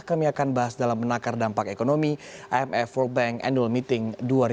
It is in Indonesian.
kami akan bahas dalam menakar dampak ekonomi imf world bank annual meeting dua ribu dua puluh